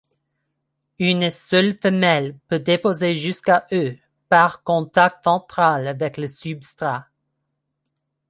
Une seule femelle peut déposer jusqu'à œufs par contact ventral avec le substrat.